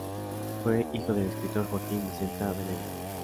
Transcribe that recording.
Fue hijo del escritor Joaquín Dicenta Benedicto.